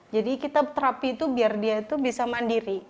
kita terapi itu biar dia itu bisa mandiri